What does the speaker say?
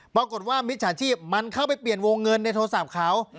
มิจฉาชีพมันเข้าไปเปลี่ยนวงเงินในโทรศัพท์เขา